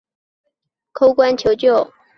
国王黎维祁叩关求救。